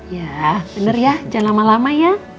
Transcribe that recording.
ya bener ya jangan lama lama ya